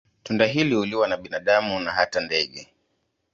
Tunda hili huliwa na binadamu na hata ndege.